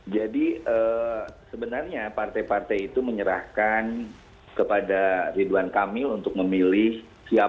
jadi sebenarnya partai partai itu menyerahkan kepada ridwan kamil untuk memiliki kekuatan